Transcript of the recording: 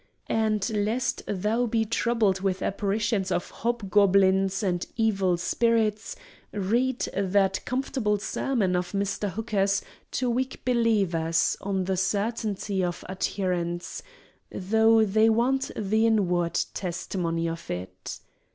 And, lest thou be troubled with apparitions of hobgoblins and evil spirits, read that comfortable sermon of Mr. Hooker's to weak believers, on the Certainty of Adherence, though they want the inward testimony of it.